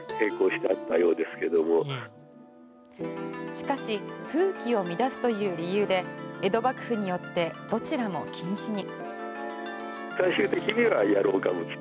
しかし風紀を乱すという理由で江戸幕府によってどちらも禁止に。